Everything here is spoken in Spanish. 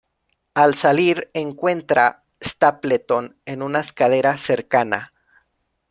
Al salir, encuentra Stapleton en una escalera cercana.